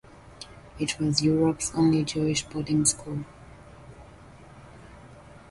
It was Europe's only Jewish boarding school.